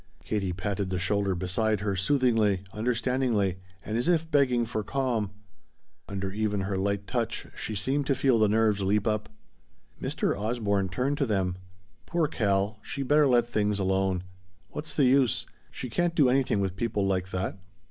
Katie patted the shoulder beside her soothingly, understandingly, and as if begging for calm. Even under her light touch she seemed to feel the nerves leap up. Mr. Osborne turned to them. "Poor Cal, she'd better let things alone. What's the use? She can't do anything with people like that."